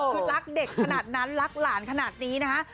คือรักเด็กขนาดนั้นรักหลานขนาดนี้นะฮะ